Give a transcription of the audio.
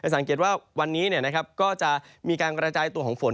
สังเกตว่าวันนี้ก็จะมีการกระจายตัวของฝน